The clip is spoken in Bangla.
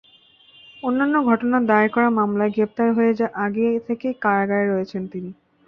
অন্যান্য ঘটনায় দায়ের করা মামলায় গ্রেপ্তার হয়ে আগে থেকেই কারাগারে রয়েছেন তিনি।